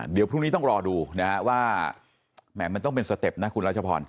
เดี๋ยวพรุ่งนี้ต้องรอดูนะฮะว่าแหม่มันต้องเป็นสเต็ปนะคุณรัชพร